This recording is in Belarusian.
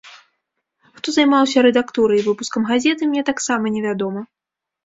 Хто займаўся рэдактурай і выпускам газеты, мне таксама невядома.